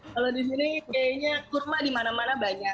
kalau di sini kayaknya kurma di mana mana banyak